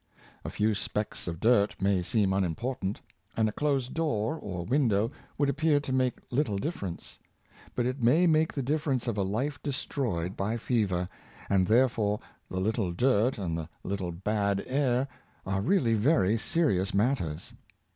A few specks of dirt may seem unimportant, and a closed door or window would appear to make little difference; but it may make the difference of a life destroyed by fever; and therefore the little dirt and the little bad air are really very serious matters.